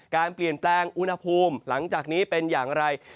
การเปลี่ยนแปลงอุณหภูมิหลังจากนี้เป็นอย่างไร